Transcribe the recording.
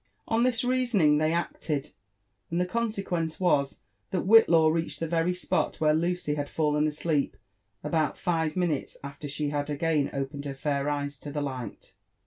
On this reasoning they acted ; and the consequence was, that Whit law reached the very spot where Lucy had fallen asleep about five minutes after she had again opened her fair eyes to the light.